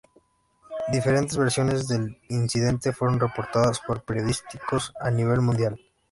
Diferentes versiones del incidente fueron reportadas por periódicos a nivel mundial.